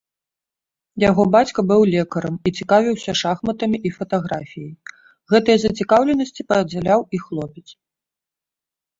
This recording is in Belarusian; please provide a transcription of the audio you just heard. Яго бацька быў лекарам і цікавіўся шахматамі і фатаграфіяй, гэтыя зацікаўленасці падзяляў і хлопец.